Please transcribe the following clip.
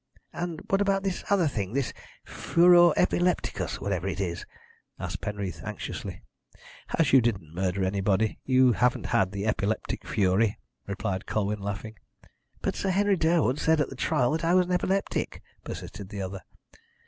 "And what about this other thing this furor epilepticus, whatever it is?" asked Penreath, anxiously. "As you didn't murder anybody, you haven't had the epileptic fury," replied Colwyn, laughing. "But Sir Henry Durwood said at the trial that I was an epileptic," persisted the other.